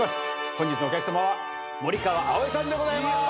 本日のお客さまは森川葵さんでございます。